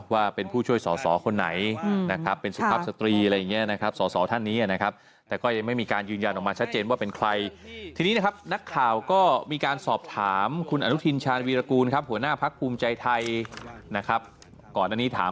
ว่ามันมั่นคงเข้าพักภูมิใจไทยไหม